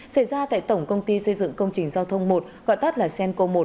xảy ra tại tổng công ty xây dựng công trình giao thông một gọi tắt là cenco một